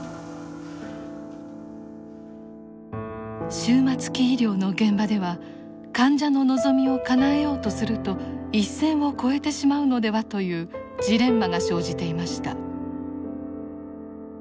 終末期医療の現場では患者の望みをかなえようとすると一線を越えてしまうのではというジレンマが生じていました。